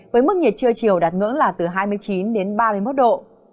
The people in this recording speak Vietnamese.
với mức nhiệt trưa chiều đạt ngưỡng là từ hai mươi chín đến ba mươi một độ